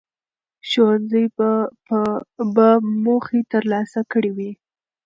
ښوونځي به موخې ترلاسه کړي وي.